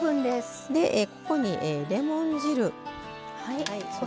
ここに、レモン汁。